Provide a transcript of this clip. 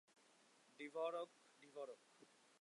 ডিভরক, ডিভরক।